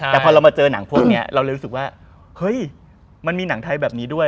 แต่พอเรามาเจอหนังพวกนี้เราเลยรู้สึกว่าเฮ้ยมันมีหนังไทยแบบนี้ด้วย